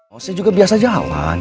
oh saya juga biasa jalan